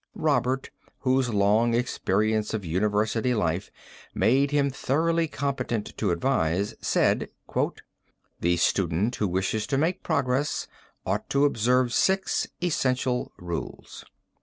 Robert, whose long experience of university life made him thoroughly competent to advise, said: "The student who wishes to make progress ought to observe six essential rules.